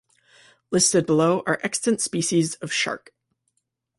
Listed below are extant species of shark.